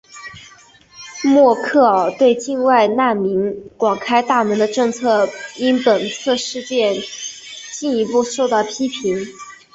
默克尔对境外难民广开大门的政策因本次事件而进一步受到批评。